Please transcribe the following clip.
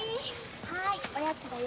はいおやつだよ。